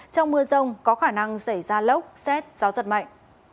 trong mưa rông có khả năng xảy ra lốc xét gió giật mạnh